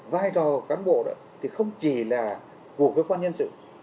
vai trò cán bộ đó thì không chỉ là của cơ quan nhân sự